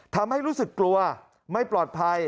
ทำให้รู้สึกกลัวไม่ปลอดภัย